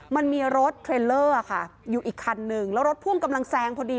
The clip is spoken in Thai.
มันมีรถเทรลเลอร์ค่ะอยู่อีกคันนึงแล้วรถพ่วงกำลังแซงพอดี